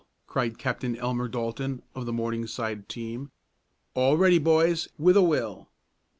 cried Captain Elmer Dalton of the Morningside team. "All ready boys, with a will!"